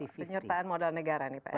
penyertaan modal negara nih pak